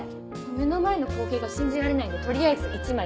目の前の光景が信じられないんで取りあえず一枚撮ります。